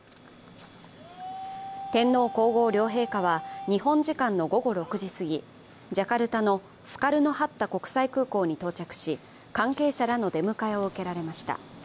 天皇皇后両陛下は日本時間の午後６時すぎ、ジャルタのスカルノ・ハッタ国際空港に到着し、関係者らの出迎えを受けられました。